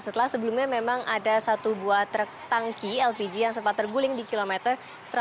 setelah sebelumnya memang ada satu buah truk tangki lpg yang sempat terguling di kilometer satu ratus enam puluh